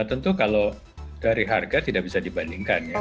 tentu kalau dari harga tidak bisa dibandingkan ya